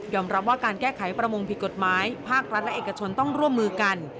รับว่าการแก้ไขประมงผิดกฎหมายภาครัฐและเอกชนต้องร่วมมือกัน